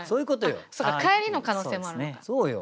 そっか帰りの可能性もあるのか。